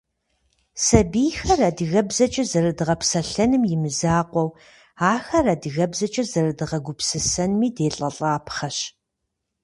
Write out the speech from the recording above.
Сабийхэр адыгэбзэкӏэ зэрыдгъэпсэлъэным имызакъуэу, ахэр адыгэбзэкӀэ зэрыдгъэгупсысэнми делӀэлӀапхъэщ.